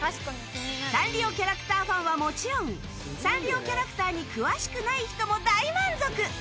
サンリオキャラクターファンはもちろんサンリオキャラクターに詳しくない人も大満足。